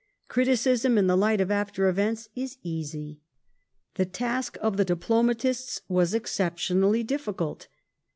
Criticism in the light of after events is easy. The task of the diplomatists was exceptionally difficult.